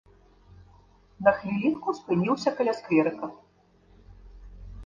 На хвілінку спыніўся каля скверыка.